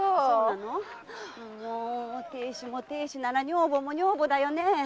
もお亭主が亭主なら女房も女房だよね。